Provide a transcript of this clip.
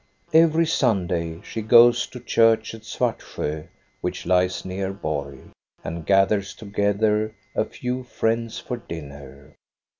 Ever}' Sunday she goes to church at Svartsjo, which lies near Borg, and gathers together a few friends for dinner.